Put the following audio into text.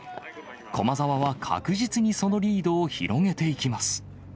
駒澤は確実にそのリードを広げていきます。